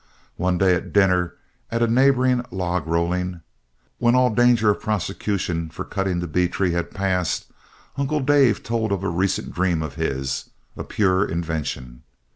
One day at dinner at a neighboring log rolling, when all danger of prosecution for cutting the bee tree had passed, Uncle Dave told of a recent dream of his, a pure invention.